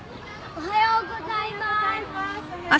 おはようございます。